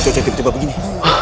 kenapa cuaca tiba tiba begini